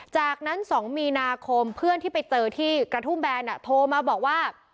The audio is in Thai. จากนั้น๒มีนาคมเพื่อนที่ไปเจอที่กระทุ่มแบนโทรมาบอกว่า